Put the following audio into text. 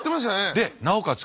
でなおかつ